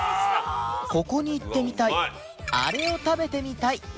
ここに行ってみたいあれを食べてみたい